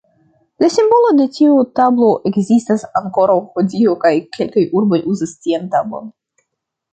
La simbolo de tiu tablo ekzistas ankoraŭ hodiaŭ kaj kelkaj urboj uzas tian tablon.